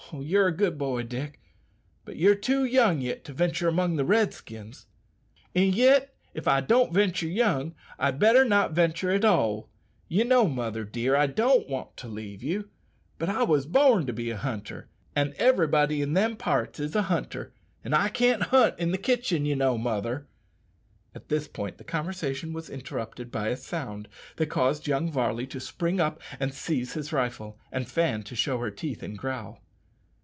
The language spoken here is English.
"You're a good boy, Dick; but you're too young yit to ventur' among the Redskins." "An' yit, if I don't ventur' young, I'd better not ventur' at all. You know, mother dear, I don't want to leave you; but I was born to be a hunter, and everybody in them parts is a hunter, and I can't hunt in the kitchen you know, mother!" At this point the conversation was interrupted by a sound that caused young Varley to spring up and seize his rifle, and Fan to show her teeth and growl.